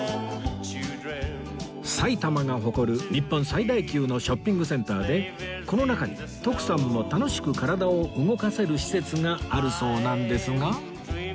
埼玉が誇る日本最大級のショッピングセンターでこの中に徳さんも楽しく体を動かせる施設があるそうなんですが